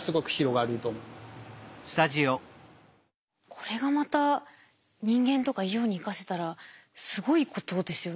これがまた人間とか医療に生かせたらすごいことですよね。